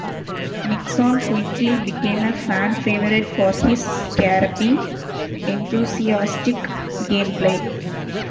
Nixon quickly became a fan favorite for his scrappy, enthusiastic gameplay.